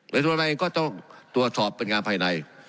ส่วนตัวเองก็ต้องตรวจสอบเป็นงานภายใน